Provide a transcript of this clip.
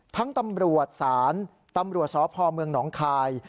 ทั้งตำรวจศาลตำรวจศาลภอร์เมืองหนองคาย